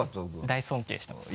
大尊敬してます。